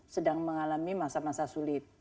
sedang mengalami masa masa sulit